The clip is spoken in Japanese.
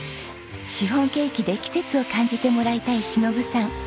シフォンケーキで季節を感じてもらいたい忍さん。